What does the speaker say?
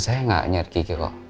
saya engga nyari kiki kok